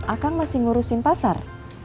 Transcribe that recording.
akan masih ngurusin pasar